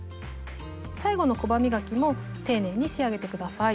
最後のコバ磨きも丁寧に仕上げて下さい。